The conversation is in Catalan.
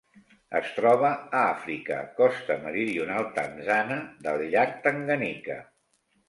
Es troba a Àfrica: costa meridional tanzana del llac Tanganyika.